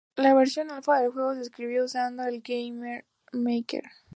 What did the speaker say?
La versión alfa del juego se escribió usando el Game Maker.